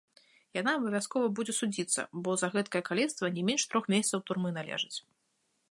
Яна абавязкова будзе судзіцца, бо за гэткае калецтва не менш трох месяцаў турмы належыць!